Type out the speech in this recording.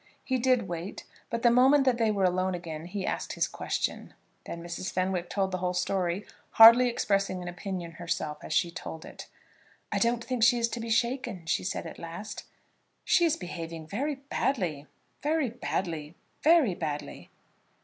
He did wait; but the moment that they were alone again he asked his question. Then Mrs. Fenwick told the whole story, hardly expressing an opinion herself as she told it. "I don't think she is to be shaken," she said at last. "She is behaving very badly, very badly, very badly."